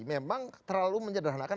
memang terlalu menyederhanakan